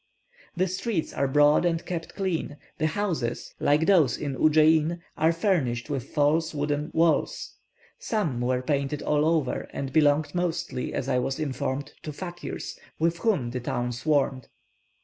The streets are broad and kept clean; the houses, like those in Udjein, are furnished with false wooden walls. Some were painted all over, and belonged mostly, as I was informed, to fakirs, with whom the town swarmed.